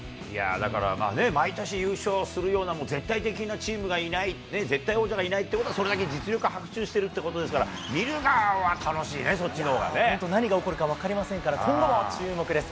だからまあね、毎年優勝するような絶対的なチームがいない、絶対王者がいないということは、それだけ実力が伯仲してるということですから、見る側は楽しいね、本当、何が起こるか分かりませんから、今後も注目です。